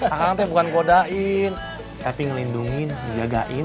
akang tuh bukan ngodain tapi ngelindungin ngejagain